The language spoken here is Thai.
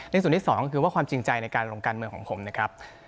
ส่วนที่สองคือว่าความจริงใจในการลงการเมืองของผมนะครับ